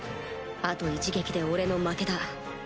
あと一撃で俺の負けだ